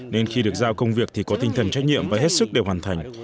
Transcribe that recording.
nên khi được giao công việc thì có tinh thần trách nhiệm và hết sức để hoàn thành